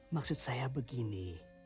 maksud saya begini